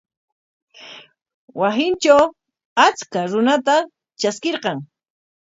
Wasintraw achka runata traskirqan.